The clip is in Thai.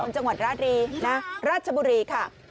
จังหวัดราชบุรีค่ะ